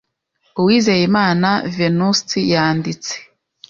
Uwizeyimana venuste yanditse